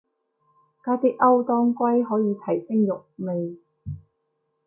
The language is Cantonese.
加啲歐當歸可以提升肉味